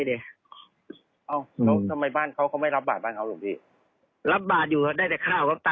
เวลาเข้าวัรสาเขากลับไปอยู่บ้านเขา